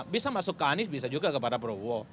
bisa masuk ke anies bisa juga kepada prabowo